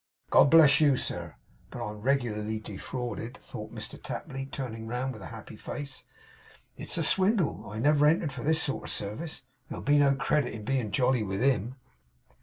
'God bless you, sir! But I'm reg'larly defrauded,' thought Mr Tapley, turning round with a happy face. 'It's a swindle. I never entered for this sort of service. There'll be no credit in being jolly with HIM!